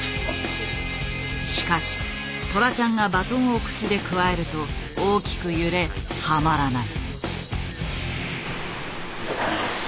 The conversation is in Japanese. しかしトラちゃんがバトンを口でくわえると大きく揺れはまらない。